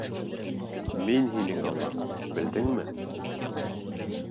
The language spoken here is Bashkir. Мин һинең Аллаң, белдеңме?